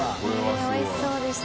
ねぇおいしそうでした。